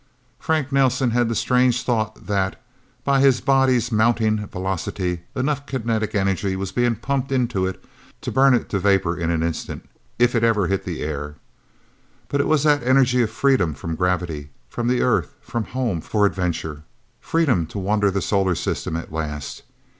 Frank Nelsen had the strange thought that, by his body's mounting velocity, enough kinetic energy was being pumped into it to burn it to vapor in an instant, if it ever hit the air. But it was the energy of freedom from gravity, from the Earth, from home for adventure. Freedom to wander the solar system, at last!